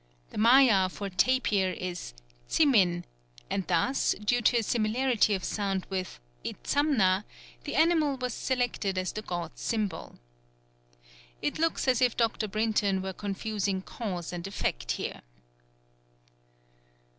The Maya for tapir is tzimin, and thus, due to a similarity of sound with i tzamna, the animal was selected as the god's symbol. It looks as if Dr. Brinton were confusing cause and effect here.